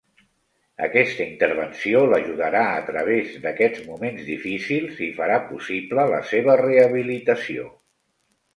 Aquesta intervenció l'ajudarà a través d'aquests moments difícils i farà possible la seva rehabilitació.